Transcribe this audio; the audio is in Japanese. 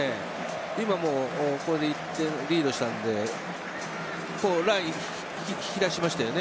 今これで１点リードしたのでライン引き出しましたよね。